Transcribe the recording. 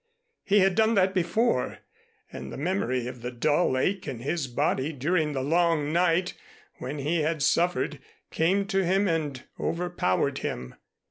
He had done that before and the memory of the dull ache in his body during the long night when he had suffered came to him and overpowered him.